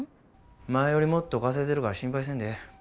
前よりもっと稼いでるから心配せんでええ。